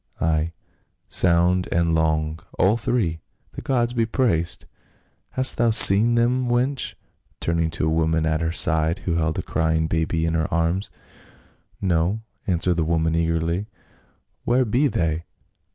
"Ay, sound and long, all three, the gods be praised ! Hast thou seen them, wench?" turning to a woman at her side, who held a crying baby in her arms. "No," answered the woman eagerly, "where be they?